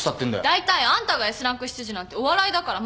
だいたいあんたがＳランク執事なんてお笑いだから。